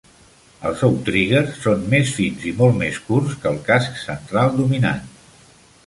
Els outriggers són més fins i molt més curts que el casc central dominant.